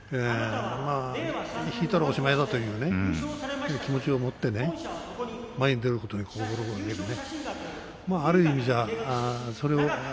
引いたらおしまいだというね気持ちを持ってね前に出ることを心がけてね。